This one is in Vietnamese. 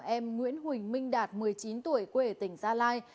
em nguyễn huỳnh minh đạt một mươi chín tuổi quê ở tỉnh gia lai